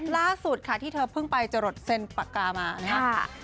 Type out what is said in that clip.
ล่าสุดค่ะที่เธอเพิ่งไปจรดเซ็นปากกามานะครับ